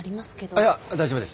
いや大丈夫です。